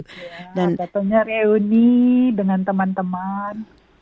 ya datangnya reuni dengan teman teman